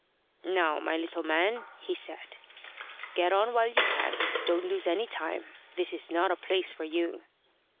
"Now, my little man," he said, "get on while you can. Don't lose any time. This is not a place for you."